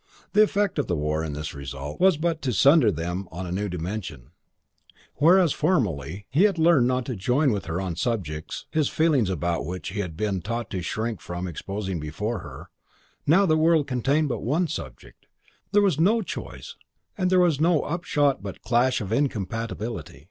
The effect of the war, in this result, was but to sunder them on a new dimension: whereas formerly he had learned not to join with her on subjects his feelings about which he had been taught to shrink from exposing before her, now the world contained but one subject; there was no choice and there was no upshot but clash of incompatibility.